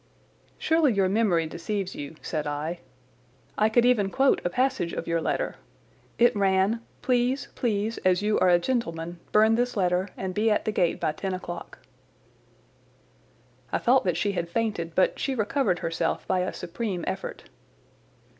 "Surely your memory deceives you," said I. "I could even quote a passage of your letter. It ran 'Please, please, as you are a gentleman, burn this letter, and be at the gate by ten o'clock.'" I thought that she had fainted, but she recovered herself by a supreme effort.